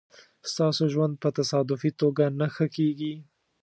ستاسو ژوند په تصادفي توګه نه ښه کېږي.